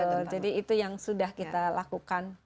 betul jadi itu yang sudah kita lakukan